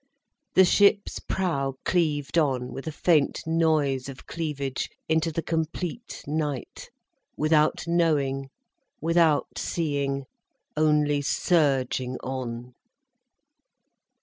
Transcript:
The ship's prow cleaved on, with a faint noise of cleavage, into the complete night, without knowing, without seeing, only surging on.